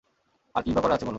আর কীইবা করার আছে বলো?